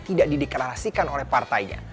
tidak dideklarasikan oleh partainya